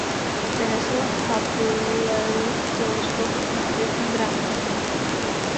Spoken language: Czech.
Vynesl Hubbleův teleskop na oběžnou dráhu Země.